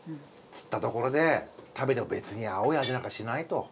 つったところで食べても別に青い味なんかしないと。